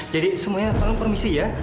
jadi semuanya perlu permisi ya